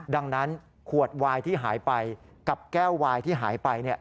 ดังนั้นขวดวายที่หายไปกับแก้ววายที่หายไป